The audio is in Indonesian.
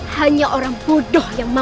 hanya orang bodoh yang mampu